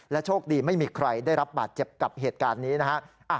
โชคดีไม่มีใครได้รับบาดเจ็บกับเหตุการณ์นี้นะฮะ